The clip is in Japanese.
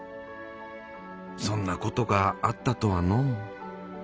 そんなことがあったとはのう。